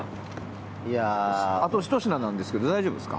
あと１品なんですけど大丈夫ですか？